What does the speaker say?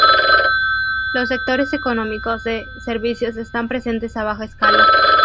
Los sectores económicos de servicios están presentes a baja escala.